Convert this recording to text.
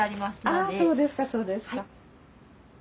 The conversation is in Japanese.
あそうですかそうですか。